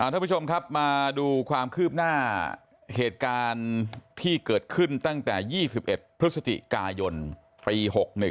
ทุกผู้ชมครับมาดูความคืบหน้าเหตุการณ์ที่เกิดขึ้นตั้งแต่๒๑พฤศจิกายนปี๖๑